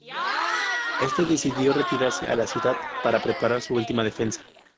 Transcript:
Este decidió retirarse a la ciudad para preparar su última defensa.